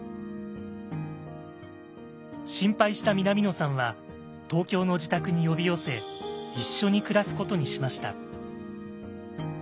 心配した南野さんは東京の自宅に呼び寄せ一緒に暮らすことにしました。